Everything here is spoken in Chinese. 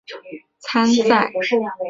他也代表丹麦国家篮球队参赛。